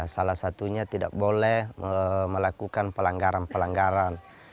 salah satunya tidak boleh melakukan pelanggaran pelanggaran